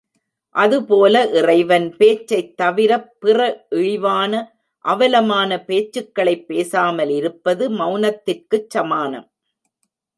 அதுபோல இறைவன் பேச்சைத் தவிரப் பிற இழிவான, அவலமான பேச்சுக்களைப் பேசாமல் இருப்பது மெளனத்திற்குச் சமானம்.